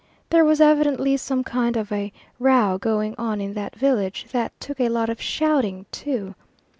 There was evidently some kind of a row going on in that village, that took a lot of shouting too.